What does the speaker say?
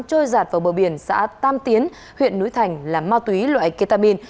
trôi giạt vào bờ biển xã tam tiến huyện núi thành là ma túy loại ketamin